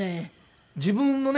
自分のね